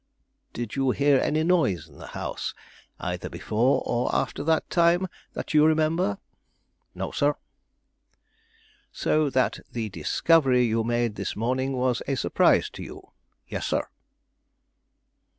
"Did you hear any noise in the house either before or after that time, that you remember?" "No, sir." "So that the discovery you made this morning was a surprise to you?" "Yes, sir."